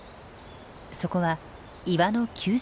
そこは岩の急斜面。